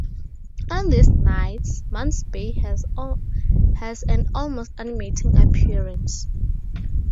On these nights, Mount's Bay has an almost animating appearance.